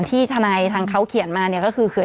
ที่ทนายทางเขาเขียนมาเนี่ยก็คือ